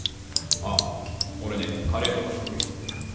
あっ俺ねカレーとか得意。